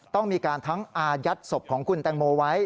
ต้องมีการทั้งอายัดศพของคุณแตงโมไว้